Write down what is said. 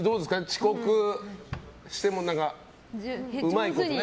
遅刻しても、うまいことね。